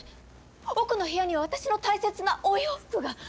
奥の部屋には私の大切なお洋服が。